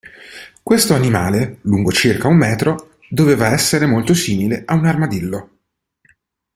Questo animale, lungo circa un metro, doveva essere molto simile a un armadillo.